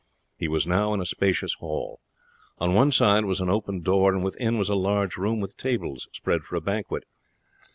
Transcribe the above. He was now in a spacious hall. On one side was an open door, and within was a large room with tables spread for a banquet.